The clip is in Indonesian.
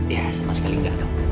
ya sama sekali gak dong